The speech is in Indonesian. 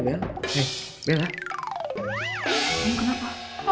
eh ini kenapa